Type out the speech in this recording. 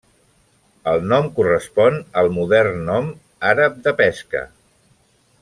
El nom correspon al modern nom àrab de 'pesca'.